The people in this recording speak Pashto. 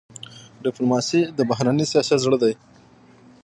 ډيپلوماسي د بهرني سیاست زړه دی.